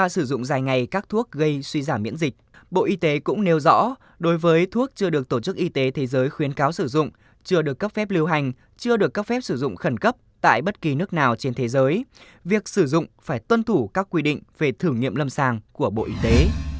sử dụng dài ngày các thuốc gây suy giảm miễn dịch bộ y tế cũng nêu rõ đối với thuốc chưa được tổ chức y tế thế giới khuyến cáo sử dụng chưa được cấp phép lưu hành chưa được cấp phép sử dụng khẩn cấp tại bất kỳ nước nào trên thế giới việc sử dụng phải tuân thủ các quy định về thử nghiệm lâm sàng của bộ y tế